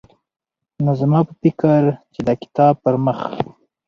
نو زما په فکر چې د کتاب پرمخ